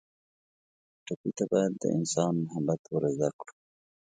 ټپي ته باید د انسان محبت ور زده کړو.